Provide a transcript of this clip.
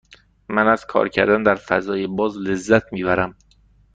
من از کار کردن در فضای باز لذت می برم.